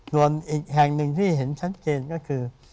ส่วนอีกแห่งหนึ่งที่เห็นชัดเจนก็คือ